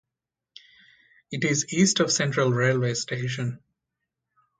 It is east of Central railway station.